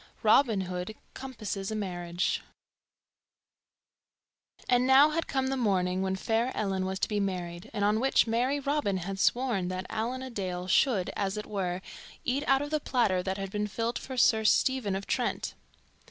Robin Hood Compasses a Marriage AND NOW had come the morning when fair Ellen was to be married, and on which merry Robin had sworn that Allan a Dale should, as it were, eat out of the platter that had been filled for Sir Stephen of Trent.